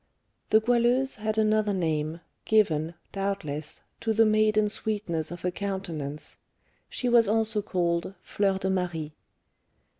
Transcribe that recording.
The Goualeuse had another name, given, doubtless, to the maiden sweetness of her countenance, she was also called Fleur de Marie.